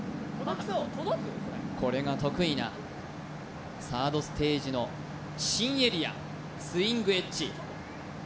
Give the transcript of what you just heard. これが得意なサードステージの新エリアスイングエッジ